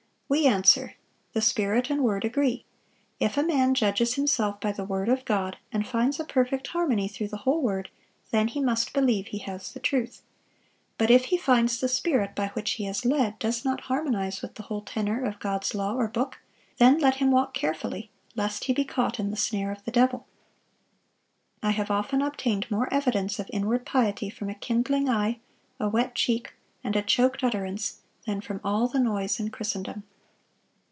We answer, The Spirit and word agree. If a man judges himself by the word of God, and finds a perfect harmony through the whole word, then he must believe he has the truth; but if he finds the spirit by which he is led does not harmonize with the whole tenor of God's law or book, then let him walk carefully, lest he be caught in the snare of the devil."(647) "I have often obtained more evidence of inward piety from a kindling eye, a wet cheek, and a choked utterance, than from all the noise in Christendom."